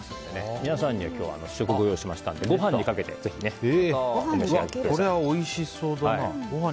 皆さんには今日は試食をご用意しましたのでご飯にかけておいしそうだな。